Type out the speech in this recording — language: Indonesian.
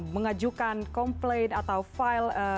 mengajukan komplain atau file